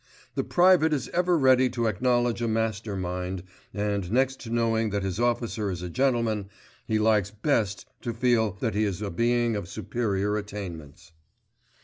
The private is ever ready to acknowledge a master mind, and next to knowing that his officer is a gentleman, he likes best to feel that he is a being of superior attainments.